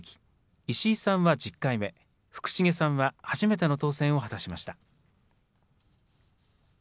石井さんは１０回目、福重さんは初めての当選を果たしました。